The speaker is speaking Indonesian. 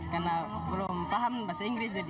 karena belum paham bahasa inggris jadi